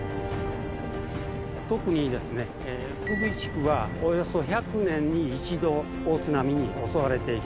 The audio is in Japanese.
特にですね鵠地区はおよそ百年に一度大津波に襲われていると。